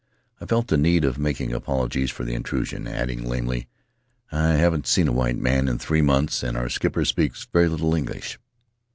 I felt the need of making apologies for the intrusion, adding, lamely, "I haven't seen a white man in three months, and our skipper speaks very little English."